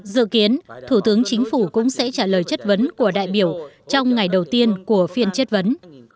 dự kiến thủ tướng chính phủ cũng sẽ trả lời chất vấn của đại biểu trong ngày đầu tiên của phiên chất vấn